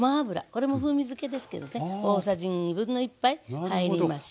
これも風味づけですけどね大さじ1/2杯入りました。